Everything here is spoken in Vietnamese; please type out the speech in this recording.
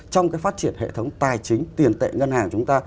trong cái phát triển hệ thống tài chính tiền tệ ngân hàng chúng ta